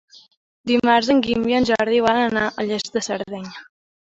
Dimarts en Guim i en Jordi volen anar a Lles de Cerdanya.